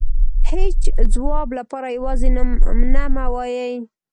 هيچ ځواب لپاره يوازې نه مه وايئ .